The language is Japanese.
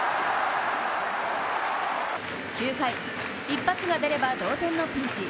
９回、一発が出れば同点のピンチ。